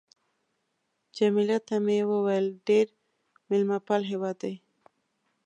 جميله ته مې وویل: ډېر مېلمه پال هېواد دی.